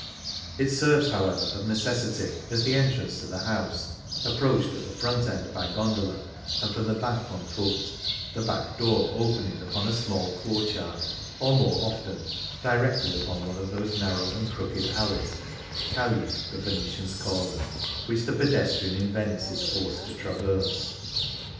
It serves, however, of necessity, as the entrance to the house, approached at the front end by gondola, and from the back on foot, the back door opening upon a small court yard, or, more often, directly upon one of those narrow and crooked alleys — calli^ the Vene tians call them — which the pedestrian in Venice is forced to traverse.